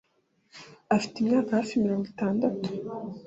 Afite imyaka hafi mirongo itandatu